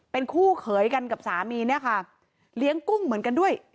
เป็นคู่เขยกันกับสามีเนี่ยค่ะเลี้ยงกุ้งเหมือนกันด้วย